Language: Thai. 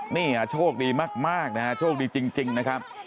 นี่โชคดีมากนะฮะโชคดีจริงนะครับ